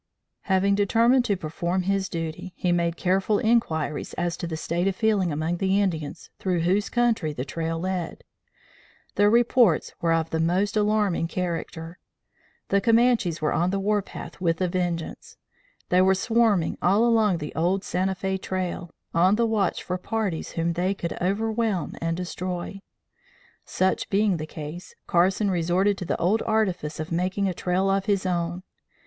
Having determined to perform his duty, he made careful inquiries as to the state of feeling among the Indians through whose country the trail led. The reports were of the most alarming character: the Comanches were on the war path with a vengeance. They were swarming all along the old Santa Fe Trail, on the watch for parties whom they could overwhelm and destroy. Such being the case, Carson resorted to the bold artifice of making a trail of his own.